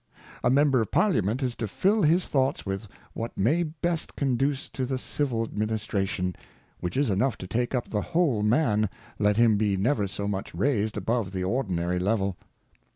A Member of Parliament is to fill his thoughts with what may best conduce to the Civil Administration ; which is enough to take up the whole Man, let him be never so much raised above the ordinary Level.